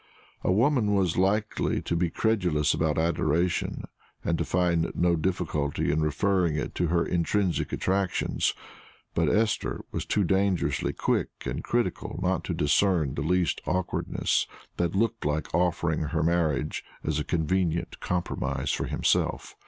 A woman was likely to be credulous about adoration, and to find no difficulty in referring it to her intrinsic attractions; but Esther was too dangerously quick and critical not to discern the least awkwardness that looked like offering her marriage as a convenient compromise for himself.